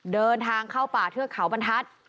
เดินทางเข้าป่าเทือกเขาบรรทัศน์